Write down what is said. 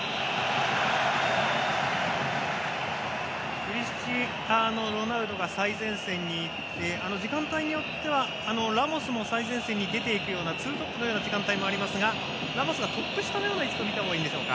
クリスチアーノ・ロナウドが最前線にいて時間帯によってはラモスも最前線に出ていくようなツートップのような時間帯もありますが、ラモスがトップ下ということでいいんでしょうか。